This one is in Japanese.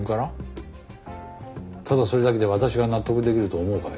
ただそれだけで私が納得できると思うかい？